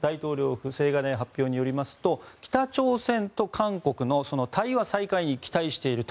青瓦台発表によりますと北朝鮮と韓国の対話再開に期待していると。